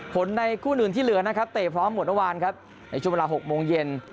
ในคู่อื่นที่เหลือนะครับเตะพร้อมหมดเมื่อวานครับในช่วงเวลา๖โมงเย็น